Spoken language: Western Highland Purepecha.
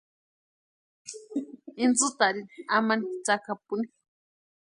Intsïtarini amani tsakapuni.